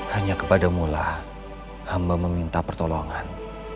hanya kepadamulah hamba meminta pertolongan